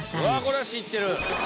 これは知ってる？